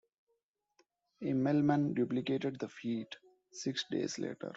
Immelmann duplicated the feat six days later.